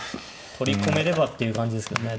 取り込めればっていう感じですけどね。